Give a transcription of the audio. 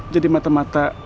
jadi mata mata